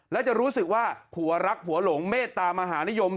แล้วจะรู้สึกว่าผัวรักผัวหลงเมตตามหานิยม